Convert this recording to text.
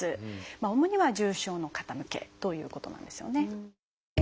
主には重症の方向けということなんですよね。